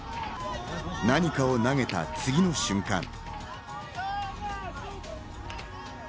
何かを投げた次の瞬間。